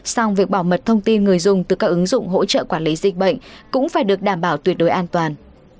song việc bảo mật thông tin người dùng từ các ứng dụng hỗ trợ quản lý dịch bệnh cũng phải được đảm bảo tuyệt đối an toàn